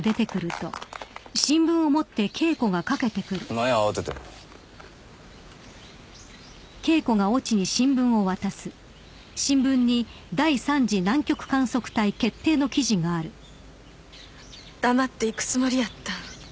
何や慌てて黙って行くつもりやった？